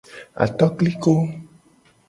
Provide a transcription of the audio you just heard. Atokliko.